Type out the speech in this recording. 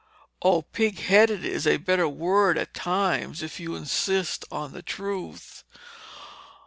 "Oh, pigheaded is a better word, at times, if you insist on the truth!"